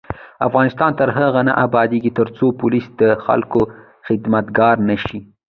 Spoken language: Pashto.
افغانستان تر هغو نه ابادیږي، ترڅو پولیس د خلکو خدمتګار نشي.